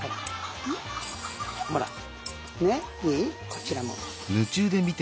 こちらも。